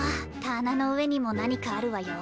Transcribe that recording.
棚の上にも何かあるわよ。